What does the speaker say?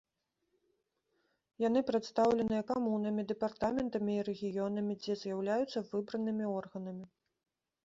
Яны прадстаўленыя камунамі, дэпартаментамі і рэгіёнамі, дзе з'яўляюцца выбранымі органамі.